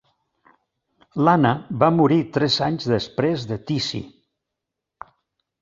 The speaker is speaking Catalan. L'Anna va morir tres anys després de tisi.